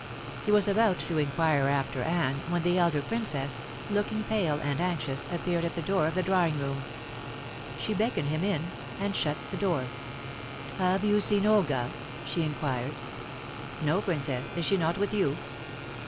He was about to inquire after Anne, when the elder Princess, looking pale and anxious, appeared at the door of the drawing room. She beckoned him in and shut the door. "Have you seen Olga?" she inquired. "No, Princess. Is she not with you?"